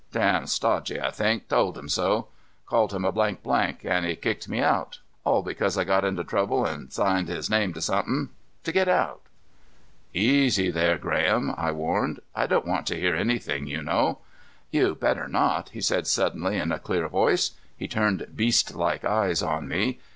Damn stodgy, I think. Told him so. Called him a an' he kicked me out. All because I got into trouble and signed his name to somethin', to get out." "Easy there, Graham," I warned. "I don't want to hear anything, you know." "You better not," he said suddenly, in a clear voice. He turned beastlike eyes on me.